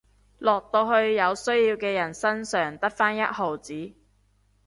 落到去有需要嘅人身上得返一毫子